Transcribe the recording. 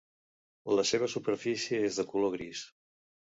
La seva superfície és de color gris.